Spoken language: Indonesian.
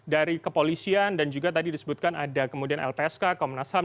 dari kepolisian dan juga tadi disebutkan ada kemudian lpsk komnas ham